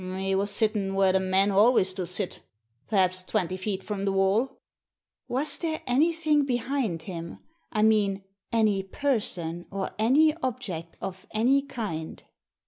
"He was sitting where the men always do sit — perhaps twenty feet from the wall" "Was there anything behind him — I mean, any person, or any object of any kind